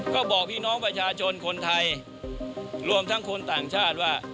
ก็บอกพี่น้องประชาชนคนไทยรวมทั้งคนต่างชาติว่า